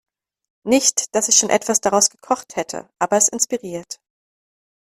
Nicht, dass ich schon etwas daraus gekocht hätte, aber es inspiriert.